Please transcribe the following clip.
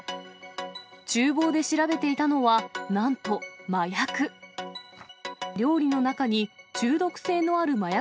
ちゅう房で調べていたのは、なんと、麻薬。